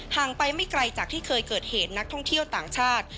งไปไม่ไกลจากที่เคยเกิดเหตุนักท่องเที่ยวต่างชาติ